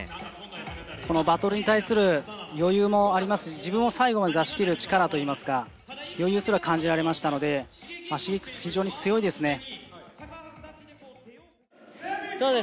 このバトルに対する余裕もありますし自分を最後まで出し切る力といいますか、余裕すら感じられましたのでＳｈｉｇｅｋｉｘ非常に強いですね。